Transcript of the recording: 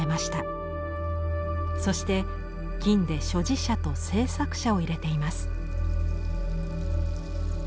そして金で所持者と制作者を入れています。